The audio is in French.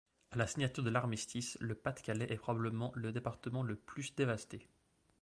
À la signature de l'Armistice, le Pas-de-Calais est probablement le département le plus dévasté.